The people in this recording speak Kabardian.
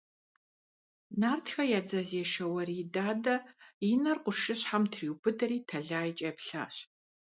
Нартхэ я дзэзешэ Уэрий Дадэ и нэр къуршыщхьэм триубыдэри тэлайрэ еплъащ.